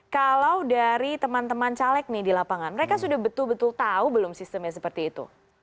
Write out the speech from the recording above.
kalau dari teman teman caleg nih di lapangan mereka sudah betul betul tahu belum sistemnya seperti itu